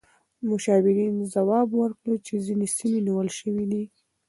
مشاورین ځواب ورکړ چې ځینې سیمې نیول شوې دي.